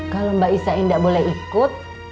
kalau mbak isah gak boleh ikut